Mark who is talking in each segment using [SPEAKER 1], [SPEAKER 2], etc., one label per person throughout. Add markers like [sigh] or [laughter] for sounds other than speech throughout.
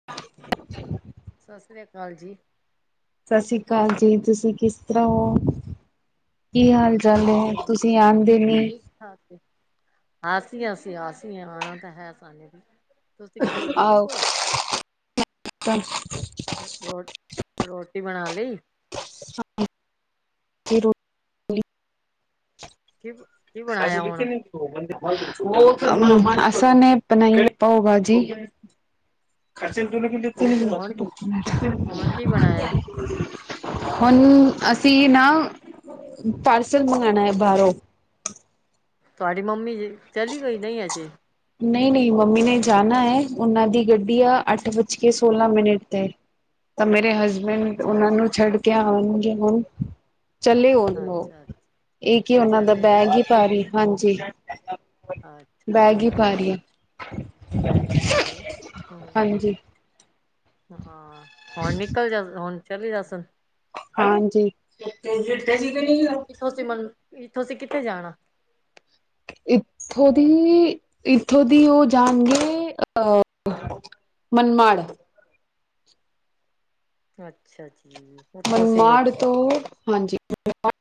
[SPEAKER 1] [inaudible]
[SPEAKER 2] ਸਤਿ ਸ੍ਰੀ ਅਕਾਲ ਜੀ
[SPEAKER 1] ਸਤਿ ਸ੍ਰੀ ਅਕਾਲ ਜੀ ਤੁਸੀ ਕਿਸ ਤਰ੍ਹਾਂ ਹੋ। ਕੀ
[SPEAKER 2] ਠੀਕ
[SPEAKER 1] ਹਾਲ
[SPEAKER 2] ਆ
[SPEAKER 1] ਚਾਲ ਹੈ ਤੁਸੀ ਆਂਦੇ ਨਹੀ
[SPEAKER 2] ਹਾਂਜੀ ਸੀ- ਆਸੀ-ਆਸੀ ਆਉਣਾ ਤਾਂ ਹੈ ਸਾਨੂੰ ਤੁਸੀ ਕਿਸ ਤਰ੍ਹਾਂ ਠੀਕ
[SPEAKER 1] ਆਓ
[SPEAKER 2] ਹੋ। ਹੋਰ ਰੋਟੀ ਬਣਾ ਲਈ
[SPEAKER 1] [unintelligible] ਜੀ ਰੋਟੀ [unintelligible]
[SPEAKER 2] ਕੀ ਕੀ ਬਣਾਇਆ ਹੁਣ
[SPEAKER 1] ਅਸਾਂ ਨੇ ਬਣਾਈ ਪਾਓ ਬਾਜੀ ਖਰਚੇ
[SPEAKER 2] ਹੁਣ ਹੁਣ ਕੀ ਬਣਾਇਆ
[SPEAKER 1] [unintelligible] ਹੁਣ ਅਸੀਂ ਨਾ ਪਾਰਸਲ ਮੰਗਵਾਉਣਾ ਹੈ ਬਾਹਰੋਂ
[SPEAKER 2] ਤੁਹਾਡੀ ਮੰਮੀ ਜੀ ਚਲੀ ਗਈ ਨਹੀਂ ਅਜੇ
[SPEAKER 1] ਨਹੀਂ ਨਹੀਂ ਮੰਮੀ ਨੇ ਜਾਣਾ ਹੈ ਉਹਨਾਂ ਦੀ ਗੱਡੀ ਆ ਅੱਠ ਵੱਜ ਕੇ ਸੋਲਾਂ ਮਿੰਟ ਤੇ ਤਾਂ ਮੇਰੇ ਹਸਬੈਂਡ
[SPEAKER 2] ਅੱਛਾ
[SPEAKER 1] ਉਹਨਾਂ ਨੂੰ
[SPEAKER 2] ਅੱਛਾ
[SPEAKER 1] ਛੱਡ ਕੇ ਆਊਗੀ ਨਾ ਚੱਲੇ ਉਹ
[SPEAKER 2] ਅੱਛਾ
[SPEAKER 1] ਇਹ ਕੀ ਉਹਨਾਂ ਦਾ
[SPEAKER 2] ਚਲੇ
[SPEAKER 1] ਬੈਗ ਹੀ ਭਾਰੀ ਹਾਂਜੀ
[SPEAKER 2] ਅੱਛਾ-
[SPEAKER 1] ਬੈਗ ਹੀ
[SPEAKER 2] ਅੱਛਾ।
[SPEAKER 1] ਭਾਰੀ ਹੈ
[SPEAKER 2] ਵੈਜੀ ਪਾ ਦੇ ਹੂੰ
[SPEAKER 1] ਹਾਂਜੀ
[SPEAKER 2] ਹਾਂ ਹੁਣ ਨਿਕਲ ਜਾਣ ਹੁਣ ਚਲੀ ਜਾਸਣ
[SPEAKER 1] ਹਾਂਜੀ [unintelligible]
[SPEAKER 2] ਤੁਸੀ ਮਨ ਤੁਸੀ ਕਿਥੇ ਜਾਣਾ।
[SPEAKER 1] ਇਥੋ ਦੀ ਇਥੋ ਦੀ ਉਹ ਜਾਣਗੇ ਅਹ ਮਾਨਮਾੜ
[SPEAKER 2] ਅਛਾ ਜੀ ਉੱਥੋਂ ਸੀ
[SPEAKER 1] ਮਨਮਾੜ
[SPEAKER 2] ਉੱਥ
[SPEAKER 1] ਤੋ ਹਾਂਜੀ--ਹਾਂਜੀ। [unintelligible]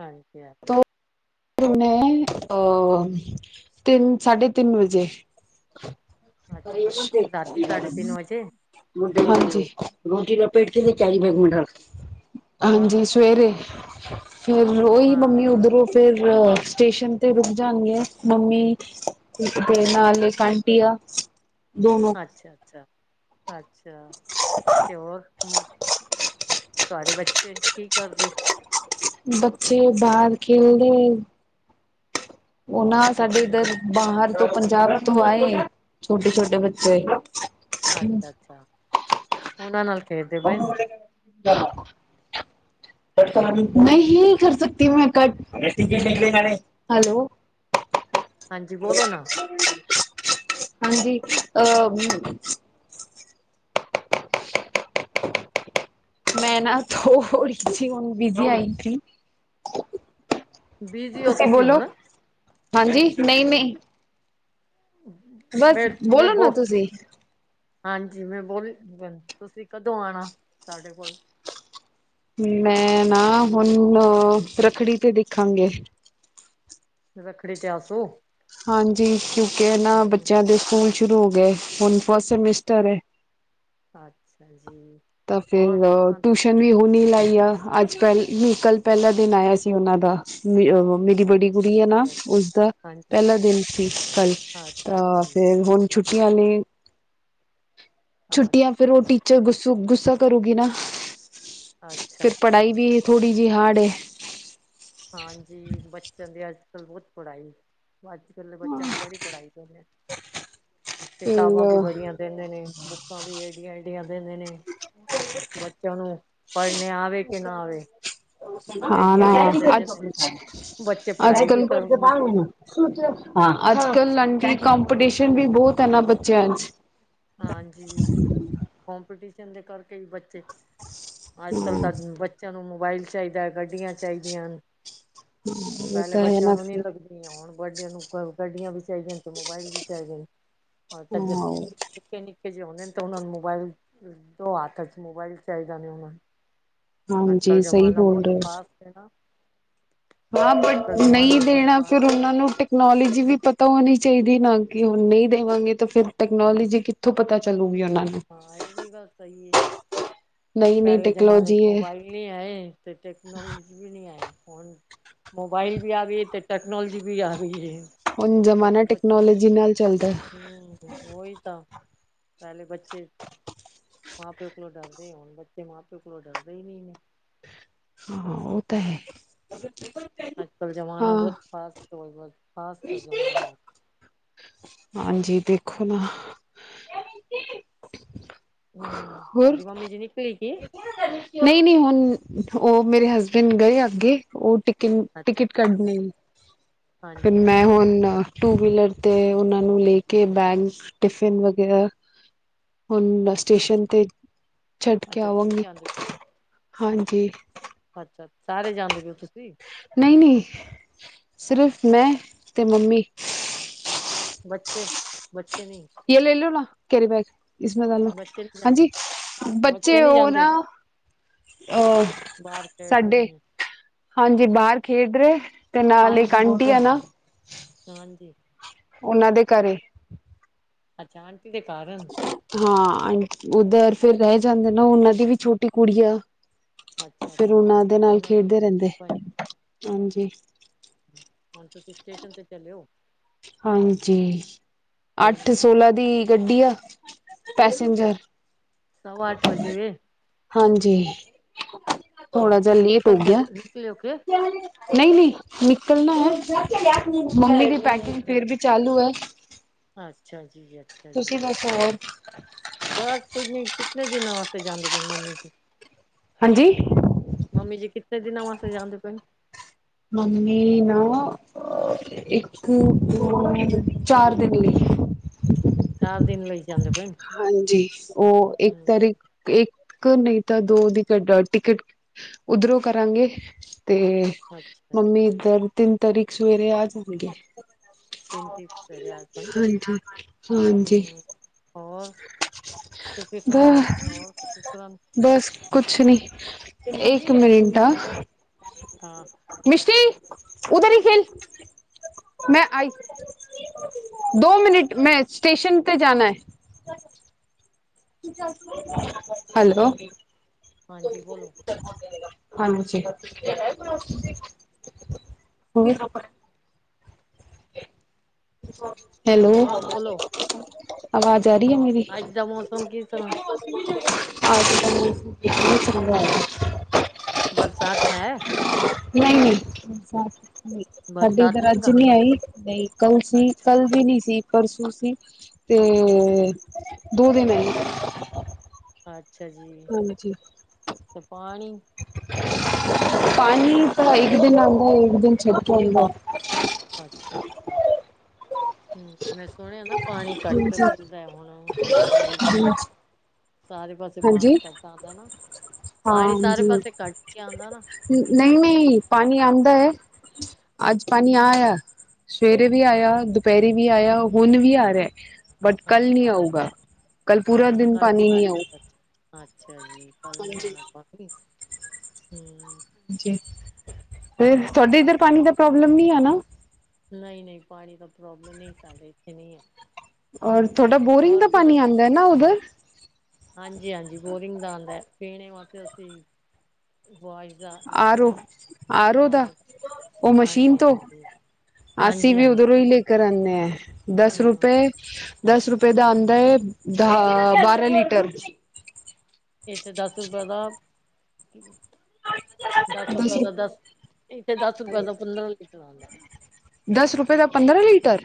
[SPEAKER 2] ਹਾਂਜੀ
[SPEAKER 1] [unintelligible] ਤਿੰਨ ਸਾਢੇ ਤਿੰਨ ਵਜੇ
[SPEAKER 2] ਅੱਛਾ ਰਾਤੀ ਸਾਢੇ ਤਿੰਨ ਵਜੇ
[SPEAKER 1] ਹਾਂਜੀ ਰੋਟੀ ਲਪੇਟ ਦੇਣੀ ਚਾਹੀਦੀ [unintelligible]
[SPEAKER 2] ਹੋਰ
[SPEAKER 1] ਹਾਂਜੀ ਸਵੇਰੇ ਫਿਰ ਰੋਈ
[SPEAKER 2] ਹਾਂ
[SPEAKER 1] ਉਹ ਫਿਰ ਸਟੇਸ਼ਨ ਤੇ ਰੁਕ ਜਾਣੀ ਆਂ ਮੰਮੀ ਇਕ ਤੇ ਨਾਲ ਆਂਟੀ ਆ ਦੋ
[SPEAKER 2] ਅੱਛਾ-ਅੱਛਾ-ਅੱਛਾ ਤੇ ਹੋਰ ਤੁਹਾਡੇ ਬੱਚੇ ਕੀ ਕਰਦੇ।
[SPEAKER 1] ਬੱਚੇ ਬਾਰ ਖੇਲਦੇ ਉਹਨਾਂ
[SPEAKER 2] ਖੇਡਦੇ
[SPEAKER 1] ਸਾਡੇ
[SPEAKER 2] ਪਏ ਨੇ
[SPEAKER 1] ਇੱਧਰ
[SPEAKER 2] ਬੱਚੇ
[SPEAKER 1] ਬਾਹਰ ਤੋ ਪੰਜਾਬ ਤੂੰ ਆਏ ਛੋਟੇ- ਛੋਟੇ ਬੱਚੇ
[SPEAKER 2] ਅੱਛਾ- ਅੱਛਾ ਉਹਨਾਂ ਨਾਲ ਖੇਡਦੇ ਪਏ।
[SPEAKER 1] [inaudible] ਨਹੀਂ ਕਰ ਸਕਤੀ ਮੈ ਕਟ [unintelligible] ਹੈਲੋ
[SPEAKER 2] ਹਾਂਜੀ
[SPEAKER 1] [inaudible]
[SPEAKER 2] ਬੋਲੋ ਨਾ
[SPEAKER 1] ਹਾਂਜੀ ਅਹ
[SPEAKER 2] [inaudible]
[SPEAKER 1] [unintelligible]
[SPEAKER 2] ਬਿਜੀ ਹੋ
[SPEAKER 1] ਤੁਸੀਂ
[SPEAKER 2] ਤੁਸੀਂ
[SPEAKER 1] ਬੋਲੋ
[SPEAKER 2] ਹੁਣ
[SPEAKER 1] ਹਾਂਜੀ ਨਹੀ- ਨਹੀ।
[SPEAKER 2] ਮੈਂ -ਮੈਂ
[SPEAKER 1] ਬੋਲੋ ਨਾ
[SPEAKER 2] ਬਹੁ
[SPEAKER 1] ਤੁਸੀਂ
[SPEAKER 2] ਹਾਂਜੀ ਮੈਂ ਬੋਲ ਤੁਸੀਂ ਕਦੋਂ ਆਉਣਾ ਸਾਡੇ ਕੋਲ
[SPEAKER 1] ਮੈਂ ਨਾ ਹੁਣ ਰੱਖੜੀ ਤੇ ਦੇਖਾਂਗੇ।
[SPEAKER 2] ਰੱਖੜੀ ਤੇ ਆਸੋ
[SPEAKER 1] ਹਾਂਜੀ ਕਿਉਂਕਿ ਇਹ ਨਾ ਬੱਚਿਆਂ ਦੇ ਸਕੂਲ ਸ਼ੁਰੂ ਹੋ ਗਏ ਹੁਣ ਫਸਟ ਸਿਮਟਰ ਏ।
[SPEAKER 2] ਅੱਛਾ ਜੀ।
[SPEAKER 1] ਤਾਂ ਫਿਰ
[SPEAKER 2] ਹੋਰ ਤੁਸਾਂ
[SPEAKER 1] ਟਯੂਛ ਵੀ ਹੁਣੀ ਲਾਈ ਆ ਅੱਜ ਪਹਿਲਾ ਕਲ ਪਹਿਲਾ ਦਿਨ ਆਇਆ ਸੀ ਉਹਨਾਂ ਦਾ ਵੀ ਉਹ ਮੇਰੀ ਵੱਡੀ ਕੁੜੀ
[SPEAKER 2] ਅੱਛਾ
[SPEAKER 1] ਆ ਨਾ
[SPEAKER 2] ਜੀ ਅੱਛਾ
[SPEAKER 1] ਉਸਦਾ
[SPEAKER 2] ਹਾਂਜੀ
[SPEAKER 1] ਪਹਿਲਾ ਦਿਨ ਸੀ ਕੱਲ੍ਹ
[SPEAKER 2] ਅੱਛਾ
[SPEAKER 1] ਤਾਂ
[SPEAKER 2] ਠੀਕ
[SPEAKER 1] ਫੇਰ ਹੁਣ ਛੁੱਟੀਆਂ ਨੇ।
[SPEAKER 2] ਹੈ
[SPEAKER 1] ਛੁੱਟੀਆਂ ਫਿਰ
[SPEAKER 2] ਅੱਛਾ
[SPEAKER 1] ਉਹ
[SPEAKER 2] ਜੀ
[SPEAKER 1] ਟੀਚਰ ਗੁੱਸੁ ਗੁੱਸਾ ਕਰੂਗੀ ਨਾ
[SPEAKER 2] ਅੱਛਾ
[SPEAKER 1] ਫੇਰ
[SPEAKER 2] ਅੱਛਾ
[SPEAKER 1] ਪੜ੍ਹਾਈ ਵੀ ਥੋੜੀ ਜਿਹੀ ਹਾਰਡ ਹੈ।
[SPEAKER 2] ਹਾਂਜੀ ਬੱਚਿਆਂ ਦੀ ਅੱਜ ਕੱਲ ਬਹੁਤ ਪੜ੍ਹਾਈ ਅੱਜ ਕੱਲ ਬੱਚਿਆਂ ਨੂੰ ਬੜੀ ਪੜ੍ਹਾਈ ਕਿਤਾਬਾਂ ਵੀ
[SPEAKER 1] ਫਿਰ
[SPEAKER 2] ਬੜੀਆਂ ਦਿੰਦੇ ਨੇ ਬੁੱਕਾਂ ਵੀ ਏਡੀਆਂ- ਏਡੀਆਂ ਦਿੰਦੇ ਨੇ ਬੱਚਿਆਂ ਨੂੰ ਪੜ੍ਹਨੇ ਆਵੇ ਕਿ ਨਾ ਆਵੇ
[SPEAKER 1] ਆਨਾ।
[SPEAKER 2] ਏਡੀਆਂ ਏਡੀਆਂ ਦੇ
[SPEAKER 1] ਅੱਛਾ ਅੱਜਕਲ
[SPEAKER 2] ਦਿੰਦੇ ਨੇ
[SPEAKER 1] [unintelligible]
[SPEAKER 2] ਬੱਚੇ ਪੜ੍ਹਾਈ ਵੀ ਕਰ ਨਹੀਂ ਸਕਦੇ
[SPEAKER 1] ਹਾਂ ਅਜ ਕਲ ਆਂਟੀ ਕਪੀਟੀਸ਼ਨ ਵੀ ਬਹੁਤ ਹੈ ਨਾ ਬੱਚਿਆਂ 'ਚ
[SPEAKER 2] ਹਾਂਜੀ ਕਪੀਟੀਸ਼ਨ ਦੇ ਕਰਕੇ ਹੀ ਬੱਚੇ ਅਜ ਕਲ ਤਾਂ ਬੱਚਿਆਂ ਨੂੰ ਮੋਬਾਈਲ ਚਾਹੀਦਾ ਗਡੀਆ ਚਾਹੀਦੀਆਂ ਨੇ
[SPEAKER 1] ਉਹ
[SPEAKER 2] ਪਹਿਲੇ
[SPEAKER 1] ਤਾਂ ਹੈ
[SPEAKER 2] ਬੱਚਿਆਂ
[SPEAKER 1] ਨਾ
[SPEAKER 2] ਨੂੰ ਨਹੀ
[SPEAKER 1] ਫਿਰ
[SPEAKER 2] ਲਗਦੇ। ਹੁਣ ਬਰਡੇ ਨੂੰ ਗਡੀਆਂ ਵੀ ਚਾਹੀਦੀਆਂ ਨੇ ਤੇ ਮੋਬਾਇਲ ਵੀ ਚਾਹੀਦੇ ਨੇ ਹ ਤਜ
[SPEAKER 1] ਹਾਂ
[SPEAKER 2] ਨਿਕੇ-ਨਿਕੇ ਜੇ ਹੁੰਦੇ ਨੇ ਤਾਂ ਉਹਨਾਂ ਨੂੰ ਮੋਬਾਈਲ ਦੋ ਹੱਥ ਚ ਮੋਬਾਈਲ ਚਾਹੀਦਾ ਨਹੀ ਉਹ ਨੂੰ ਅੱਜ ਕੱਲ੍ਹ
[SPEAKER 1] ਹਾਂਜੀ ਸਹੀ
[SPEAKER 2] ਜ਼ਮਾਨਾ
[SPEAKER 1] ਬੋਲ
[SPEAKER 2] ਬਹੁਤ
[SPEAKER 1] ਰਹੇ ਹੋ
[SPEAKER 2] ਫਾਸਟ ਹੈੋ।
[SPEAKER 1] ਹਾਂ ਬਟ ਨਹੀਂ ਦੇਣਾ ਫਿਰ ਉਹਨਾਂ ਨੂੰ ਟੈਕਨੋਲੋਜੀ ਵੀ ਪਤਾ ਹੋਣੀ ਚਾਹੀਦੀ ਨਾ ਕਿ ਹੁਣ ਨਹੀਂ ਦੇਵਾਂਗੇ ਤਾਂ ਫਿਰ ਟੈਕਨੋਲੋਜੀ ਕਿੱਥੋਂ ਪਤਾ ਚੱਲੂਗੀ ਉਹਨਾਂ ਨੂੰ
[SPEAKER 2] ਹਾਂ, ਇਹ ਵੀ ਗੱਲ ਸਹੀ ਹੈ।
[SPEAKER 1] ਨਈ ਨਈ
[SPEAKER 2] ਪਹਿਲੇ ਜ਼ਮਾਨੇ
[SPEAKER 1] ਟੈਕਨੋਲੋਜੀ
[SPEAKER 2] ਚ
[SPEAKER 1] ਹੈ
[SPEAKER 2] ਮੋਬਾਈਲ ਨਹੀਂ ਆਏ ਅਤੇ ਟੈਕਨੋਲਜੀ ਕੁਝ ਵੀ ਨਹੀਂ ਆਏ ਫੋਨ ਮੋਬਾਈਲ ਵੀ ਆ ਤੇ ਟੈਕਨੋਲੋਜੀ ਵੀ ਆ ਗਈ ਏ
[SPEAKER 1] ਹੁਣ ਜ਼ਮਾਨਾ ਟੈਕਨੋਲੋਜੀ ਨਾਲ ਚੱਲਦਾ।
[SPEAKER 2] ਹਮ ਉਹੀ ਤਾਂ, ਪਹਿਲੇ ਬੱਚੇ, ਮਾਂ ਪਿਓ ਕੋਲ ਡਰਦੇ ਹੋਣ ਬ ਤੇ ਮਾਂ ਪਿਓ ਕੋਲੋਂ ਡਰਦਾ ਹੀ ਨਹੀਂ ਨੇ।
[SPEAKER 1] ਹਾਂ, ਉਹ ਤਾਂ ਹੈ।
[SPEAKER 2] ਅੱਜ ਕੱਲ੍ਹ ਜ਼ਮਾਨਾ ਬਹੁਤ ਫਾਸਟ ਬਹੁ
[SPEAKER 1] ਸ਼ੇ [unintelligible] ਹਾਂਜੀ, ਦੇਖੋ ਨਾ
[SPEAKER 2] ਹਮ
[SPEAKER 1] ਹੋਰ,
[SPEAKER 2] ਤੁਹਾਡੀ ਮੰਮੀ ਜੀ ਨਿਕਲੀ ਕੀ
[SPEAKER 1] ਨਹੀਂ, ਨਹੀਂ, ਹੁਣ ਉਹ ਮੇਰੇ ਹਸਬੈਂਡ ਗਏ ਅੱਗੇ। ਉਹ ਟਿਕ
[SPEAKER 2] ਅੱਛਾ
[SPEAKER 1] ਟਿਕਟ
[SPEAKER 2] ਅੱਛਾ ਅੱਛਾ
[SPEAKER 1] ਕੱਢਣੀ, ਫਿਰ
[SPEAKER 2] ਹਾਂਜੀ
[SPEAKER 1] ਮੈਂ
[SPEAKER 2] ਹਾਂਜੀ
[SPEAKER 1] ਹੁਣ
[SPEAKER 2] ਹਾਂਜੀ
[SPEAKER 1] ਟੂ ਵੀਲਰ ਤੇ ਉਹਨਾਂ ਨੂੰ ਲੈ ਕੇ ਬੈਗ ਟਿਫਿਨ ਵਗੈਰਾ ਹੁਣ ਸਟੇਸ਼ਨ
[SPEAKER 2] ਅੱਛਾ
[SPEAKER 1] ਤੇ ਛੱਡ ਕੇ
[SPEAKER 2] ਅੱਛਾ ਤੁਸੀਂ
[SPEAKER 1] ਆਵਾਂਗੀ,
[SPEAKER 2] ਜਾਂਦੇ ਪਏ ਹੋ
[SPEAKER 1] ਹਾਂਜੀ।
[SPEAKER 2] ਅੱਛਾ ਅੱਛਾ, ਸਾਰੇ ਜਾਂਦੇ ਪਇਓ ਤੁਸੀਂ
[SPEAKER 1] ਨਹੀਂ, ਨਹੀਂ, ਸਿਰਫ਼ ਮੈਂ ਤੇ ਮੰਮੀ।
[SPEAKER 2] ਬੱਚੇ, ਬੱਚੇ ਨਹੀਂ।
[SPEAKER 1] ਜੇ ਲੈ ਲਓ ਨਾ ਕੈਰੀ ਬੈਗ ਇਸਮੇ ਡਾਲੋ
[SPEAKER 2] ਬੱਚੇ ਨਹੀਂ
[SPEAKER 1] ਹਾਂਜੀ
[SPEAKER 2] ਜਾਂਦੇ
[SPEAKER 1] ਬੱਚੇ
[SPEAKER 2] ਨਹੀਂ
[SPEAKER 1] ਉਹ
[SPEAKER 2] ਜਾਂਦੇ
[SPEAKER 1] ਨਾ ਅ,
[SPEAKER 2] ਬਾਹਰ ਖੇਡ ਰਹੇ
[SPEAKER 1] ਸਾਡੇ
[SPEAKER 2] ਨੇ
[SPEAKER 1] ਹਾਂਜੀ, ਬਾਹਰ ਖੇਡ ਰਹੇ ਤੇ ਨਾਲ ਇਕ ਆਟੀ ਆ ਨਾ
[SPEAKER 2] ਹਾਂਜੀ।
[SPEAKER 1] ਉਹਨਾਂ ਦੇ ਘਰੇ
[SPEAKER 2] ਅੱਛਾ, ਆਟੀ਼ ਦੇ ਘਰ
[SPEAKER 1] ਹਾਂ ਉੱਧਰ ਫਿਰ ਰਹਿ ਜਾਂਦੇ ਨਾ ਉਹਨਾਂ ਦੀ ਵੀ ਛੋਟੀ ਕੁੜੀ ਆ
[SPEAKER 2] ਅੱਛਾ
[SPEAKER 1] ਫਿਰ
[SPEAKER 2] ਅੱਛਾ
[SPEAKER 1] ਉਹਨਾਂ ਦੇ ਨਾਲ
[SPEAKER 2] ਉਹਨਾਂ
[SPEAKER 1] ਖੇਡਦੇ ਰਹਿੰਦੇ,
[SPEAKER 2] ਪਏ
[SPEAKER 1] ਹਾਂਜੀ।
[SPEAKER 2] ਹੁਣ ਤੁਸੀਂ ਸਟੇਸ਼ਨ ਤੇ ਚਲਿਓ।
[SPEAKER 1] ਹਾਂਜੀ,
[SPEAKER 2] ਹੋਰ
[SPEAKER 1] ਅੱਠ
[SPEAKER 2] ਨਹੀਂ
[SPEAKER 1] ਸੋਲਾਂ ਦੀ ਗੱਡੀ ਆ, ਪੈਸੇਜਰ
[SPEAKER 2] ਸਵਾ ਅੱਠ ਵਜੇ ਵੀ।
[SPEAKER 1] ਹਾਂਜੀ, ਥੋੜਾ
[SPEAKER 2] ਹੁਣ
[SPEAKER 1] ਜਿਹਾ
[SPEAKER 2] ਤੁਸੀਂ
[SPEAKER 1] ਲੇਟ ਹੋ
[SPEAKER 2] ਨਿਕਲ
[SPEAKER 1] ਗਿਆ।
[SPEAKER 2] ਚਲੇ ਨਿਕਲੇ ਹੋ ਕੇ
[SPEAKER 1] ਨਹੀਂ, ਨਹੀਂ, ਨਿਕਲਣਾ ਹੈ, ਮੰਮੀ ਦੀ
[SPEAKER 2] ਅੱਛਾ
[SPEAKER 1] ਪੈਕਿੰਗ
[SPEAKER 2] ਜੀ
[SPEAKER 1] ਫਿਰ ਵੀ ਚਾਲੂ ਹੈ।
[SPEAKER 2] ਅੱਛਾ ਜੀ, ਅੱਛਾ
[SPEAKER 1] ਤੁਸੀਂ
[SPEAKER 2] ਜੀ।
[SPEAKER 1] ਬਸ ਹੋਰ
[SPEAKER 2] ਬਸ ਪੁੱਜੇ ਕਿਤਨੇ ਦਿਨਾਂ ਵਾਸਤੇ ਜਾਂਦੇ ਪਏ ਮੰਮੀ ਜੀ
[SPEAKER 1] ਹਾਂਜੀ।
[SPEAKER 2] ਮੰਮੀ ਜੀ ਕਿਤਨੇ ਦਿਨਾ ਵਾਸਤੇ ਜਾਂਦੇ ਪੇਨ?
[SPEAKER 1] ਮੰਮੀ ਨਾ ਇੱਕ ਚਾਰ ਦਿਨ ਲਈ।
[SPEAKER 2] ਚਾਰ ਦਿਨ ਲਈ। ਜਾਂਦੇ ਪਏ ਨੇ
[SPEAKER 1] ਹਾਂਜੀ, ਉਹ ਇੱਕ
[SPEAKER 2] ਹੂੰ
[SPEAKER 1] ਤਾਰੀ ਇੱਕ ਨਹੀਂ ਤਾਂ ਦੋ ਦੀ ਘ [unintelligible] ਟਿਕਟ। ਉੱਧਰੋਂ ਕਰਾਂਗੇ ਤੇ
[SPEAKER 2] ਅੱਛਾ
[SPEAKER 1] ਮੰਮੀ
[SPEAKER 2] ਜੀ ਅੱਛਾ
[SPEAKER 1] ਇੱਧਰ ਤਿੰਨ ਤਾਰੀਖ ਸਵੇਰੇ ਆ ਜਾਣਗੇ।
[SPEAKER 2] ਚਿੰਤਿਤ ਸਵੇਰੇ ਅੱਜ ਕੱਲ
[SPEAKER 1] ਹਾਂਜੀ, ਹਾਂਜੀ।
[SPEAKER 2] ਹੂੰ ਹੋਰ, ਤੁਸੀਂ
[SPEAKER 1] ਬ
[SPEAKER 2] ਸੁਣਾਓ? ਹੋਰ ਕਿਸ ਤਰ੍ਹਾ
[SPEAKER 1] ਬਸ ਕੁਛ ਨੀ, ਇੱਕ ਮਿੰਟ ਆ
[SPEAKER 2] ਹਾਂ।
[SPEAKER 1] ਮਿਸ਼ਟੀ ਉਧਰ ਹੀ ਖੇਲ। ਮੈਂ ਆਈ, ਦੋ ਮਿਨਟ ਮੈਂ ਸਟੇਸ਼ਨ ਤੇ ਜਾਣਾ ਏ। ਹੈਲੋ।
[SPEAKER 2] ਹਾਂਜੀ ਬੋਲੋ
[SPEAKER 1] ਹਾਂਜੀ। ਹੈਲੋ।
[SPEAKER 2] ਹੋਰ ਬੋਲੋ
[SPEAKER 1] ਆਵਾਜ਼ ਆ ਰਹੀ ਆ ਮੇਰੀ?
[SPEAKER 2] ਅੱਜ ਦਾ ਮੌਸਮ ਕਿਸ ਤਰ੍ਹਾਂ
[SPEAKER 1] ਅਜ [unintelligible]
[SPEAKER 2] ਬਰਸਾਤ ਹੈ?
[SPEAKER 1] ਨਹੀਂ-ਨਹੀਂ ਸਾਡੇ
[SPEAKER 2] ਬਰਸਾਤ
[SPEAKER 1] ਇੱਧਰ
[SPEAKER 2] ਨੀ
[SPEAKER 1] ਅੱਜ
[SPEAKER 2] ਗਾ
[SPEAKER 1] ਨਹੀਂ ਆਈ। ਨਹੀਂ ਕੱਲ ਸੀ,
[SPEAKER 2] ਅੱਛਾ
[SPEAKER 1] ਕੱਲ
[SPEAKER 2] ਅੱਛਾ
[SPEAKER 1] ਵੀ ਨੀ ਸੀ, ਪਰਸੋਂ ਸੀ। ਅਤੇ,
[SPEAKER 2] ਅੱਛਾ
[SPEAKER 1] ਦੋ
[SPEAKER 2] ਜੀ,
[SPEAKER 1] ਦਿਨ ਆ
[SPEAKER 2] ਅੱਛਾ ਜੀ, ਤੇ ਪਾਣੀ?
[SPEAKER 1] ਪਾਣੀ ਤਾਂ ਇੱਕ ਦਿਨ ਆਂਦਾ, ਇੱਕ ਦਿਨ ਛੜਕੇ ਆਂਦਾ।
[SPEAKER 2] ਅੱਛਾ-ਅੱਛਾ। ਹੂੰ, ਮੈਂ ਸੁਣਿਆ ਨਾ ਪਾਣੀ ਘੱਟ ਮਿਲਦਾ ਹੁਣ, ਜਿੱਧਰ- ਉਧਰ
[SPEAKER 1] ਹਾਂਜੀ
[SPEAKER 2] [inaudible] ਸਾਰੇ ਪਾਸੇ ਪਾਣੀ ਘੱਟ ਆਂਦਾ ਨਾ, ਪਾਣੀ ਸਾਰੇ ਪਾਸੇ ਘੱਟ ਈ ਆਂਦਾ ਨਾ।
[SPEAKER 1] ਨਹੀਂ-ਨਹੀਂ ਪਾਣੀ ਆਂਦਾ ਏ, ਅੱਜ ਪਾਨੀ ਆਇਆ। ਸਵੇਰੇ ਵੀ ਆਇਆ, ਦੁਪਹਿਰੇ ਵੀ ਆਇਆ, ਹੁਣ ਵੀ ਆ ਰਿਹਾ। ਬਟ ਕੱਲ ਨਹੀਂ
[SPEAKER 2] ਅੱਛਾ-ਅੱਛਾ-ਅੱਛਾ
[SPEAKER 1] ਆਊਗਾ, ਕੱਲ
[SPEAKER 2] ਅੱਛਾ ਅੱਛਾ
[SPEAKER 1] ਪੂਰਾ
[SPEAKER 2] ਅੱਛਾ
[SPEAKER 1] ਦਿਨ
[SPEAKER 2] ਕੱਲ
[SPEAKER 1] ਪਾਣੀ ਨਹੀਂ ਆਊ।
[SPEAKER 2] ਅੱਛਾ-ਅੱਛਾ ਅੱਛਾ ਅੱਛਾ ਜੀ, ਕੱਲ ਨੀ ਆਣਾ ਪਾਂਨੀ, ਹੂੰ
[SPEAKER 1] ਜੀ, ਤੇ
[SPEAKER 2] ਹੋਰ
[SPEAKER 1] ਤੁਹਾਡੇ ਇੱਧਰ ਪਾਨੀ ਦਾ ਪ੍ਰੋਬਲਮ ਨਹੀ ਆ, ਨਾ?
[SPEAKER 2] ਨਹੀਂ-ਨਹੀਂ ਪਾਣੀ ਦਾ ਪ੍ਰੋਬਲਮ ਨਹੀਂ, ਸਾਡੇ ਇੱਥੇ ਨਹੀਂ ਹੈ।
[SPEAKER 1] ਔਰ, ਥੋਡਾ ਬੋਰਿੰਗ ਦਾ ਪਾਣੀ ਆਂਦਾ ਏ, ਨਾ ਉਧਰ?
[SPEAKER 2] ਹਾਂਜੀ-ਹਾਂਜੀ ਬੋਰਿੰਗ ਦਾ ਆਦੈ, ਪੀਣੇ ਵਾਸਤੇ ਅਸੀਂਜ਼ ਜਾਰ ਲਿਆਂਦੇ
[SPEAKER 1] ਆਰੋ
[SPEAKER 2] ਨਾ,
[SPEAKER 1] ਆਰੋ
[SPEAKER 2] ਆਰ
[SPEAKER 1] ਦਾ
[SPEAKER 2] ਓ,
[SPEAKER 1] ਉਹ ਮਸ਼ੀਨ ਤੋਂ
[SPEAKER 2] ਹਾਂਜੀ-ਹਾਂਜੀ।
[SPEAKER 1] ਅਸੀਂ ਵੀ ਉਧਰੋਂ
[SPEAKER 2] ਹਾਂਜੀ-ਹਾਂਜੀ
[SPEAKER 1] ਹੀ ਲੇਕਰ ਆਂਨੇ ਹਾਂ, ਦਸ
[SPEAKER 2] ਹੂੰ
[SPEAKER 1] ਰੁਪਏ ਦਸ ਰੁਪਏ ਦਾ ਆਂਦਾ ਏ, ਦਾ ਬਾਰਾ ਲੀਟਰ।
[SPEAKER 2] ਇਥੇ ਦਸ ਰੁਪਏ ਦਾ, ਦਸ ਰੁਪਏ ਦਾ ਦਸ। ਇੱਥੇ ਦਸ ਰੁਪਏ ਦਾ ਪੰਦਰਾਂ ਲੀਟਰ ਆਂਦੈ।
[SPEAKER 1] ਦਸ ਰੁਪਏ ਦਾ, ਪੰਦਰਾਂ ਲੀਟਰ?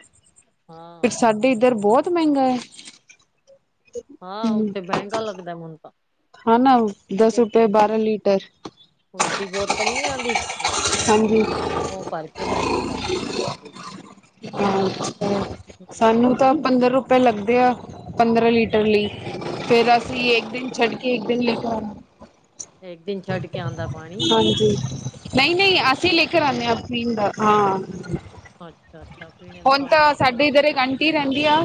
[SPEAKER 1] ਫਿਰ
[SPEAKER 2] ਹਾਂ
[SPEAKER 1] ਸਾਡੇ ਇੱਧਰ ਬਹੁਤ ਮਹਿੰਗਾ ਏ।
[SPEAKER 2] ਹਾਂ, ਉੱਥੇ ਮਹਿੰਗਾ ਲੱਗਦਾ ਮਨੂੰ ਤਾ।
[SPEAKER 1] ਹਾਂ ਨਾ ਦੱਸ ਰੁਪਏ, ਬਾਰਾਂ ਲੀਟਰ।
[SPEAKER 2] ਵੱਡੀ ਬੋਤਲ ਨਹੀਂ ਆਂਦੀ? ਵੱਡੀ,
[SPEAKER 1] ਹਾਂਜੀ
[SPEAKER 2] ਉਹ ਭਰਕੇ ਮਿਲਦੀ ਦੱਸ ਰੁਪਏ'ਚ ਸਾਡੇ।
[SPEAKER 1] ਅੱਛਾ, ਸਾਨੂੰ
[SPEAKER 2] ਹਮ
[SPEAKER 1] ਤਾਂ ਪੰਦਰ ਰੁਪਏ ਲੱਗਦੇ ਆ, ਪੰਦਰਾਂ ਲੀਟਰ ਲਈ। ਫੇਰ ਅਸੀਂ ਇੱਕ ਦਿਨ
[SPEAKER 2] ਅੱਛਾ
[SPEAKER 1] ਛੱਡ ਕੇ ਇੱਕ ਦਿਨ ਲੈਕੇ ਆਣਾ।
[SPEAKER 2] ਇੱਕ ਦਿਨ ਛੱਡ ਕੇ ਆਉਂਦਾ ਪਾਣੀ।
[SPEAKER 1] ਹਾਂਜੀ। ਨਹੀਂ -ਨਹੀਂ ਅਸੀਂ ਲੈ ਕੇ ਆਉਂਦੇ ਹਾਂ ਆਪਣੀ ਹਾਂ।
[SPEAKER 2] ਅੱਛਾ-ਅੱਛਾ, ਪੀਣੇ ਦਾ
[SPEAKER 1] ਹੁਣ
[SPEAKER 2] ਪਾਣੀ
[SPEAKER 1] ਤਾ,
[SPEAKER 2] ਲੈ ਕੇ
[SPEAKER 1] ਸਾਡੇ
[SPEAKER 2] ਆਉਂਦੇ
[SPEAKER 1] ਇੱਧਰ
[SPEAKER 2] ਹੋ
[SPEAKER 1] ਇੱਕ ਆਂਟੀ ਰਹਿੰਦੀ ਆ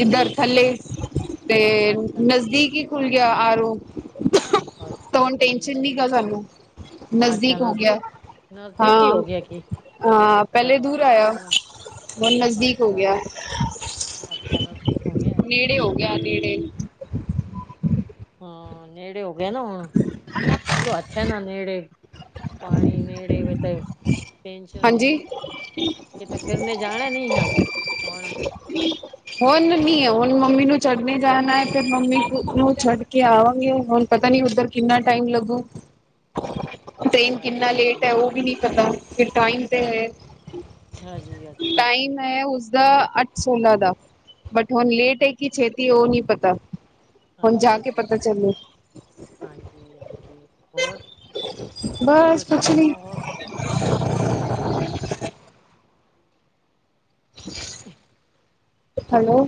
[SPEAKER 1] ਇੱਧਰ ਥੱਲੇ,
[SPEAKER 2] ਹਾਂਜੀ
[SPEAKER 1] ਤੇ
[SPEAKER 2] ਅੱਛਾ
[SPEAKER 1] ਨਜ਼ਦੀਕ ਹੀ ਖੁੱਲ ਗਿਆ ਆਰ ਓ। ਤਾਂ
[SPEAKER 2] ਅੱਛਾ
[SPEAKER 1] ਹੁਣ ਟੈਸ਼ਨ
[SPEAKER 2] ਜੀ
[SPEAKER 1] ਨੀ ਹੈਗਾ ਸਾਨੂੰ,
[SPEAKER 2] ਅੱਛਾ
[SPEAKER 1] ਨਜ਼ਦੀਕ ਹੋ ਗਿਆ।
[SPEAKER 2] ਨਜ਼ਦੀਕ ਹੀ
[SPEAKER 1] ਹਾਂ,
[SPEAKER 2] ਹੋ ਗਿਆ ਕੀ
[SPEAKER 1] ਹਾਂ, ਪਹਿਲੇ
[SPEAKER 2] ਚਲੋ
[SPEAKER 1] ਦੂਰ
[SPEAKER 2] ਅੱਛਾ
[SPEAKER 1] ਹਾਇਆ।
[SPEAKER 2] ਨਾ ਨਾ
[SPEAKER 1] ਹੁਣ ਨਜ਼ਦੀਕ
[SPEAKER 2] ਅੱਛਾ
[SPEAKER 1] ਹੋਗਿਆ,
[SPEAKER 2] ਅੱਛਾ ਨਜ਼ਦੀਕ ਹੋ ਗਿਆ
[SPEAKER 1] ਨੇੜੇ ਹੋਗਿਆ ਨੇੜੇ।
[SPEAKER 2] ਹਾਂ, ਨੇੜੇ ਹੋ ਗਇਆ ਨਾ ਹੁਣ, ਚਲੋ ਅੱਛਾ ਏ ਨਾ। ਨੇੜੇ, ਪਾਣੀ ਨੇੜੇ ਵੇ ਤੇ ਟੈਂਸ਼ਨ ਨੀ
[SPEAKER 1] ਹਾਂਜੀ
[SPEAKER 2] ਨਾ। ਕਿਤੇ ਫਿਰਨੇ ਜਾਣਾ ਨੀ ਅੱਜ, ਹੁਣ?
[SPEAKER 1] ਹੋਨ ਨੀ, ਹੋਣ ਮੰਮੀ ਨੂੰ ਛੱਡਨੇ ਜਾਣਾ ਏ, ਤੇ ਮੰਮੀ ਨੂੰ ਛੱਡਕੇ ਆਵਾਂਗੇ ਹੁਣ ਪਤਾ ਨਹੀਂ ਉੱਧਰ ਕਿੰਨਾ ਟਾਈਮ ਲੱਗੂ।
[SPEAKER 2] [inaudible]
[SPEAKER 1] ਟ੍ਰੇਨ ਕਿੰਨਾ
[SPEAKER 2] ਅੱਛਾ
[SPEAKER 1] ਲੇਟ
[SPEAKER 2] ਜੀ
[SPEAKER 1] ਹੈ ਉਹ ਵੀ ਨੀ ਪਤਾ। ਕਿੰਦੇ ਹੈ।
[SPEAKER 2] ਅੱਛਾ ਜੀ ਅੱਛਾ
[SPEAKER 1] ਟਾਈਮ
[SPEAKER 2] ਜੀ
[SPEAKER 1] ਹੈ। ਉਸਦਾ ਅੱਠ- ਸੋਲਾਂ ਦਾ। ਬਟ ਹੁਣ ਲੇਟ ਹੈ ਕੀ
[SPEAKER 2] ਅੱਛਾ
[SPEAKER 1] ਛੇਤੀ ਉਹ ਨਹੀਂ ਪਤਾ। ਹੁਣ ਜਾ
[SPEAKER 2] ਅੱਛਾ
[SPEAKER 1] ਕੇ
[SPEAKER 2] ਜੀ
[SPEAKER 1] ਪਤਾ ਚੱਲੇਗਾ।
[SPEAKER 2] ਹਾਂਜੀ -ਹਜੀ ਹੋਰ
[SPEAKER 1] ਬਸ
[SPEAKER 2] ਤੁਸੀਂ
[SPEAKER 1] ਕੁਛ ਨੀ
[SPEAKER 2] ਸੁਣਾਓ ਹੋਰ। [inaudible]
[SPEAKER 1] ਹੈਲੋ,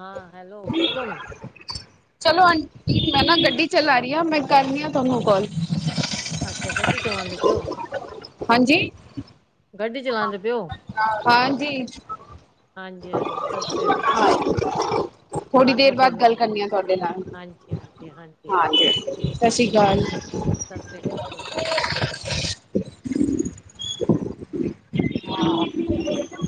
[SPEAKER 2] ਹਾਂ, ਹੈਲੋ, ਬੋਲੋ ਨਾ।
[SPEAKER 1] ਚਲੋ ਆਂਟੀ ਮੈਂ ਨਾ ਗੱਡੀ ਚਲਾ ਰਹੀ ਹਾਂ ਮੈਂ ਕਰਦੀ ਹਾਂ ਤੁਹਾਨੂੰ ਕਾੱਲ।
[SPEAKER 2] ਅੱਛਾ। ਗੱਡੀ ਚਲਾਉਦੇ ਪਿਓ।
[SPEAKER 1] ਹਾਂਜੀ।
[SPEAKER 2] ਗੱਡੀ ਚਲਾਂਦੇ ਪਓ।
[SPEAKER 1] ਹਾਂਜੀ।
[SPEAKER 2] ਹਾਂਜੀ ਹਾਂਜੀ ਸਤਿ ਸ੍ਰੀ ਅਕਾਲ
[SPEAKER 1] ਹਾਂ,
[SPEAKER 2] ਚਲੋ
[SPEAKER 1] ਥੋੜੀ ਦੇਰ
[SPEAKER 2] ਨੂੰ
[SPEAKER 1] ਬਾਅਦ
[SPEAKER 2] ਕਰਨੀਆਂ
[SPEAKER 1] ਗੱਲ
[SPEAKER 2] ਨੇ
[SPEAKER 1] ਕਰਨੀ ਆ ਤੁਹਾਡੇ ਨਾਲ। ਹਾਂਜੀ, ਸਤਿ
[SPEAKER 2] ਹਾਂਜੀ
[SPEAKER 1] ਸ੍ਰੀ ਅਕਾਲ।
[SPEAKER 2] ਸਤਿ ਸ਼੍ਰੀ ਅਕਾਲ, ਸਤਿ ਸ਼੍ਰੀ ਅਕਾਲ। ਠੀਕ।